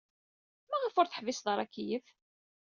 Maɣef ur teḥbised ara akeyyef?